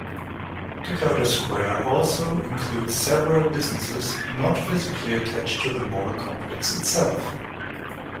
Dakota Square also includes several businesses not physically attached to the mall complex itself.